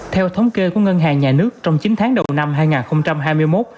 theo thống kê của ngân hàng nhà nước trong chín tháng đầu năm hai nghìn hai mươi một